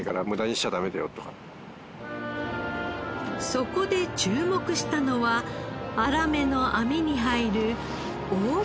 そこで注目したのは粗めの網に入る大きめのもの。